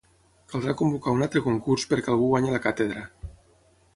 Caldrà convocar un altre concurs perquè algú guanyi la càtedra.